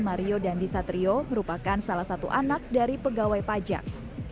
mario dandisatrio merupakan salah satu anak dari pegawai pajak